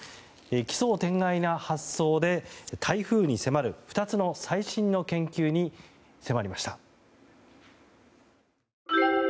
奇想天外な発想で台風に迫る２つの最新の研究に迫りました。